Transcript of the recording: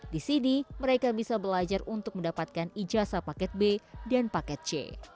di sini mereka bisa belajar untuk mendapatkan ijazah paket b dan paket c